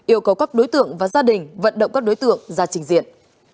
yêu cầu các đối tượng và gia đình vận động các đối tượng ra trình diện